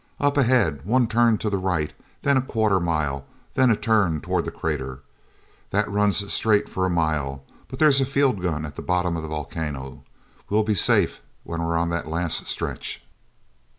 Up ahead, one turn to the right, then a quarter mile, then a turn toward the crater. That runs straight for a mile, but there's a field gun at the bottom of the volcano. We'll be safe when we're on that last stretch."